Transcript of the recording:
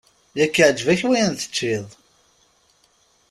Yak iɛǧeb-ak wayen teččiḍ!